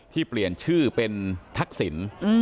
ที่เปลี่ยนชื่อเป็นทักษิณ